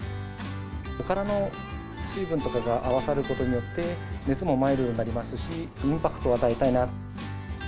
おからの水分とかが合わさることによって、熱もマイルドになりますし、インパクトを与えたいな。